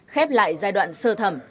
khép lại giai đoạn sơ thẩm